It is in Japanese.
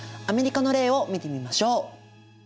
アメリカの例を見てみましょう。